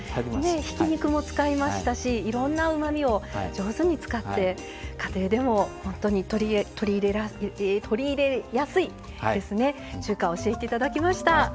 ひき肉も使いましたしいろんなうまみを上手に使って、家庭でも本当に、取り入れやすい中華を教えていただきました。